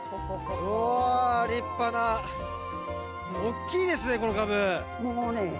うお、立派な！大きいですね、このカブ。